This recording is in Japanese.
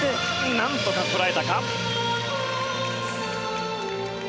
何とかこらえたか。